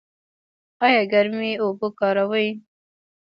ایا ګرمې اوبه کاروئ؟